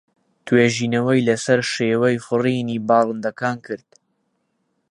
توێژینەوەی لەسەر شێوەی فڕینی باڵندەکان کرد.